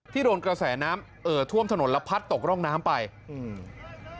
โดนกระแสน้ำเอ่อท่วมถนนแล้วพัดตกร่องน้ำไปอืม